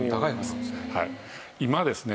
今ですね